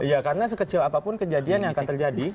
ya karena sekecil apapun kejadian yang akan terjadi